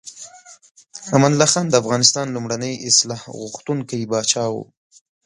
امان الله خان د افغانستان لومړنی اصلاح غوښتونکی پاچا و.